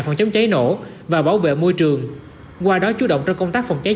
phòng chống cháy nổ và bảo vệ môi trường qua đó chú động trong công tác phòng cháy